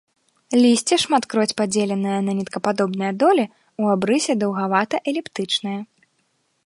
Лісце шматкроць падзеленае на ніткападобныя долі, у абрысе даўгавата-эліптычнае.